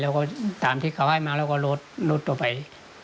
เราก็ตามที่เขาให้มาเราก็ลดต่อไป